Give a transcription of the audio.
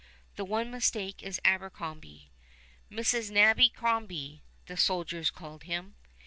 The one mistake is Abercrombie, "Mrs. Nabby Crombie" the soldiers called him.